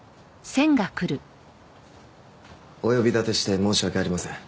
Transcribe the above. お呼び立てして申し訳ありません。